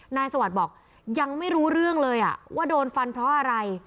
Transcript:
สวัสดิ์บอกยังไม่รู้เรื่องเลยว่าโดนฟันเพราะอะไร